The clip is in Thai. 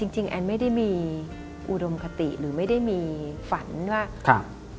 จริงแอนไม่ได้มีอุดมคติหรือไม่ได้มีฝันว่าครับ